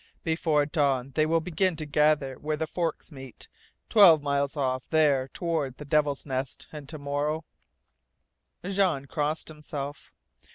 Before dawn they will begin to gather where the forks meet, twelve miles off there toward the Devil's Nest, and to morrow " Jean crossed himself.